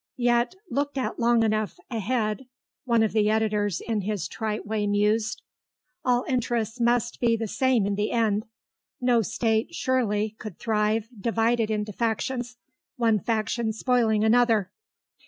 Yet, looked at long enough ahead (one of the editors in his trite way mused) all interests must be the same in the end. No state, surely, could thrive, divided into factions, one faction spoiling another.